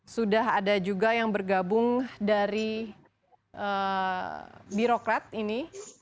sudah ada juga yang bergabung dari birokrat ini